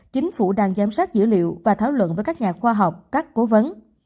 chính phủ đang giám sát dữ liệu và thảo luận với các nhà khoa học các cố vấn